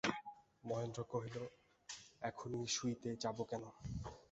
মহেন্দ্র কহিল, এখনই শুইতে যাইব কেন।